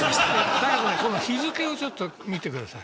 だけどねこの日付をちょっと見てください。